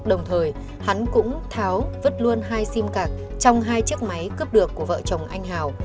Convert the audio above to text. đồng thời hắn cũng tháo vứt luôn hai sim cạc trong hai chiếc máy cướp được của vợ chồng anh hào